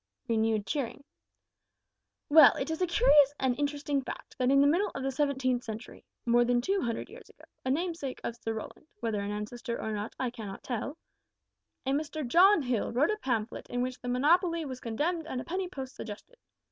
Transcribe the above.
(Renewed cheering.) "Well, it is a curious and interesting fact that in the middle of the seventeenth century more than two hundred years ago a namesake of Sir Rowland (whether an ancestor or not I cannot tell), a Mr John Hill, wrote a pamphlet in which monopoly was condemned and a penny post suggested.